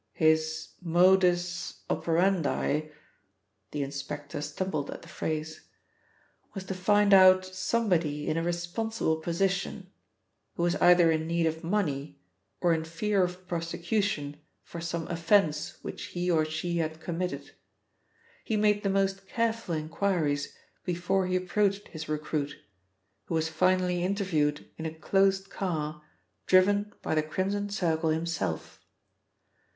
His modus operandi " (the inspector stumbled at the phrase) " was to find out somebody in a responsible position, who was either in need of money or in fear of prosecution for some offence which he or she had committed. He made the most careful inquiries before he approached his recruit, who was finally interviewed in a closed car driven by the Crimson Circle himself.